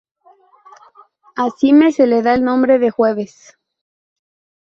A Syme se le da el nombre de Jueves.